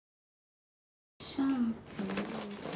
シャンプー。